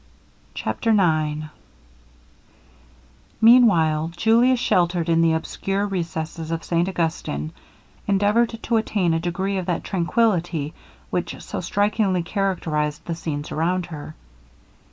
CHAPTER IX Meanwhile Julia, sheltered in the obscure recesses of St Augustin, endeavoured to attain a degree of that tranquillity which so strikingly characterized the scenes around her.